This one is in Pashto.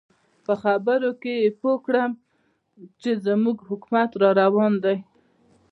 په خبرو کې یې پوه کړم چې زموږ حکومت را روان دی.